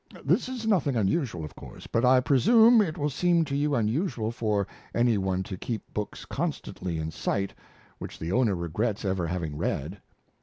This is nothing unusual, of course, but I presume it will seem to you unusual for any one to keep books constantly in sight which the owner regrets ever having read.